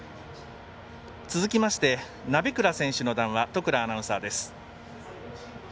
続きまして鍋倉選手の談話都倉アナウンサーです。